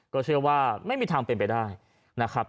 ก็เชื่อว่าไม่มีทางเป็นไปได้นะครับ